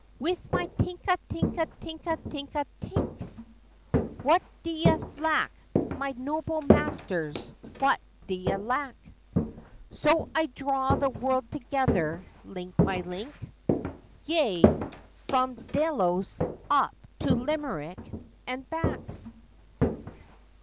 With my "Tinka tinka tinka tinka tink!" [What d'ye lack, my noble masters? What d'ye lack?] So I draw the world together link by link: Yea, from Delos up to Limerick and back!